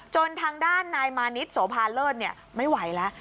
ทางด้านนายมานิดโสภาเลิศไม่ไหวแล้ว